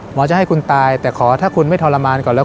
จะให้คุณตายแต่ขอถ้าคุณไม่ทรมานก่อนแล้ว